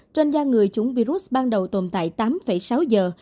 trên da người chủng virus ban đầu tồn tại tám sáu giờ